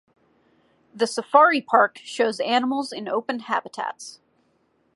The Safari Park shows animals in open habitats.